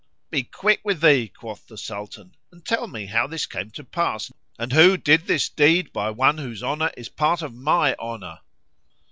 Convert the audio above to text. "Be quick with thee," quoth the Sultan, "and tell me how this came to pass and who did this deed by one whose honour is part of my honour."